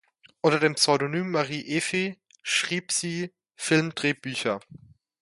Unter dem Pseudonym Marie Eve schrieb sie Filmdrehbücher.